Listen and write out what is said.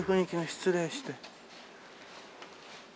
失礼して。